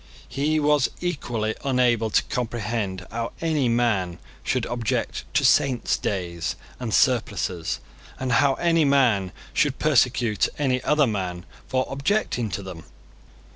He was equally unable to comprehend how any man should object to Saints' days and surplices, and how any man should persecute any other man for objecting to them.